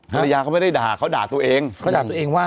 ภรรยาก็ไม่ได้ด่าเค้าด่าตัวเอง